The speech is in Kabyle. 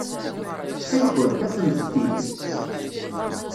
Ttxil-kent, afemt-t-id.